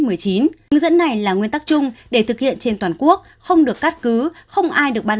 hướng dẫn này là nguyên tắc chung để thực hiện trên toàn quốc không được cắt cứ không ai được bán